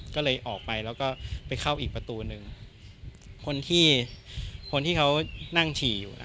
ก็เลยออกไปแล้วก็ไปเข้าอีกประตูหนึ่งคนที่คนที่เขานั่งฉี่อยู่อ่ะ